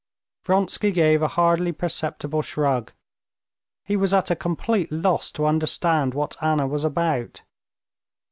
Vronsky gave a hardly perceptible shrug. He was at a complete loss to understand what Anna was about.